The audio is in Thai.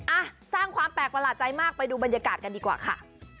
อ่ะสร้างความแปลกประหลาดใจมากไปดูบรรยากาศกันดีกว่าค่ะ